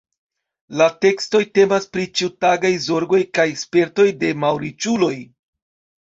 La tekstoj temas pri ĉiutagaj zorgoj kaj spertoj de malriĉuloj.